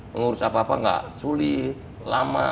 mengurus apa apa nggak sulit lama